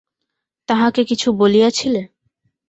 তাহাকে কিছু বলিয়াছিলে?